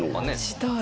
したい。